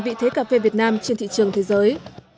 vị thế cà phê việt nam trên thị trường thế giới